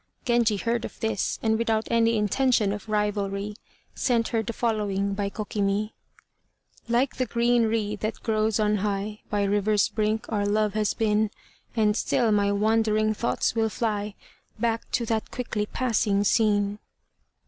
Genji heard of this, and without any intention of rivalry, sent her the following by Kokimi: "Like the green reed that grows on high By river's brink, our love has been, And still my wandering thoughts will fly Back to that quickly passing scene."